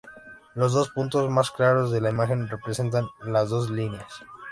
Los dos puntos más claros de la imagen representan las dos líneas.